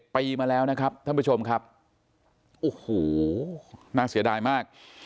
ปีมาแล้วนะครับท่านผู้ชมครับโอ้โหน่าเสียดายมาก